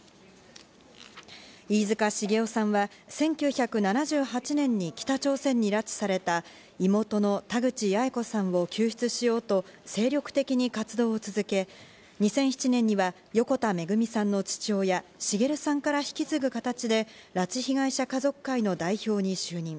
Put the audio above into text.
飯塚繁雄さんは１９７８年６月に北朝鮮に拉致された妹の田口八重子さんを救出しようと精力的に活動を続け、２００７年には横田めぐみさんの父親、滋さんから引き継ぐ形で拉致被害者家族会の代表に就任。